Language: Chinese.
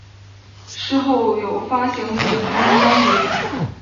事后有发行影音光碟。